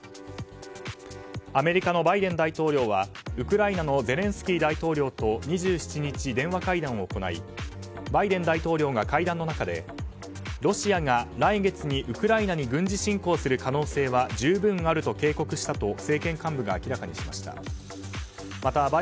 アメリカのバイデン大統領はウクライナのゼレンスキー大統領と２７日、電話会談を行いバイデン大統領が会談の中でロシアが来月にウクライナに軍事侵攻する可能性は十分あると警告したと政権幹部が明らかにしました。